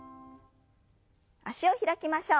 脚を開きましょう。